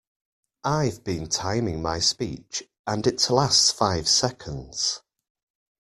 I've been timing my speech, and it lasts five seconds.